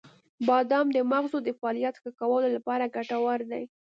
• بادام د مغزو د فعالیت ښه کولو لپاره ګټور دی.